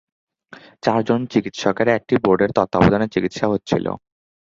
চারজন চিকিৎসকের একটি বোর্ডের তত্ত্বাবধানে চিকিৎসা হচ্ছিল।